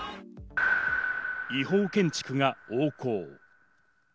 違法建築が横行。